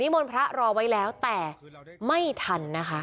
มนต์พระรอไว้แล้วแต่ไม่ทันนะคะ